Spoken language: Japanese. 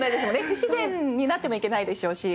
不自然になってもいけないでしょうし。